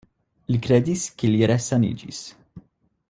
Li kredis, ke li resaniĝis.